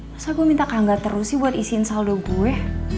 masa gue minta kangga terus sih buat isiin saldo gue